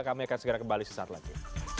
kami akan segera kembali sesaat lagi